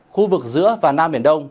khu vực giữa và nam miền đông